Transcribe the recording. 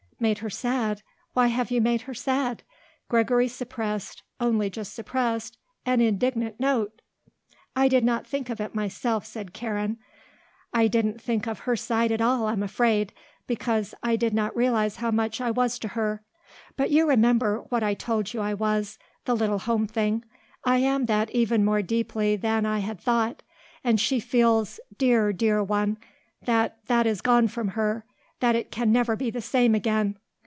"Made her sad? Why have you made her sad?" Gregory suppressed only just suppressed an indignant note. "I did not think of it myself," said Karen. "I didn't think of her side at all, I'm afraid, because I did not realise how much I was to her. But you remember what I told you I was, the little home thing; I am that even more deeply than I had thought; and she feels dear, dear one that that is gone from her, that it can never be the same again."